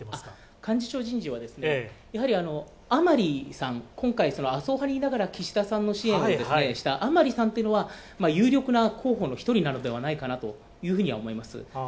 幹事長人事、甘利さん、今回、麻生派にいながら岸田さんの支援をした甘利さんというのは、有力な候補の一人なのではないかというふうに思います。